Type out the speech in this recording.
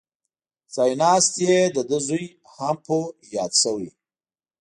ځای ناست یې دده زوی هامپو یاد شوی.